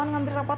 gue sendiri aja